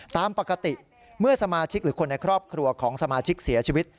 ตามปกติเมื่อสมาชิกหรือคนในครอบครัวของสมาชิกเสียชีวิต